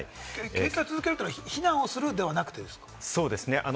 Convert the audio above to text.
警戒を続けるというのは非難するではなくてですか？